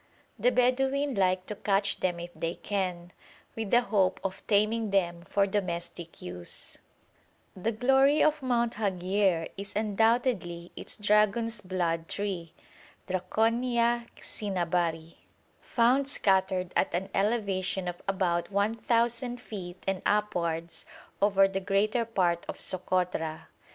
The Bedouin like to catch them if they can, with the hope of taming them for domestic use. [Illustration: VEGETATION IN SOKOTRA] The glory of Mount Haghier is undoubtedly its dragon's blood tree (Dracænia cinnabari), found scattered at an elevation of about 1,000 feet and upwards over the greater part of Sokotra.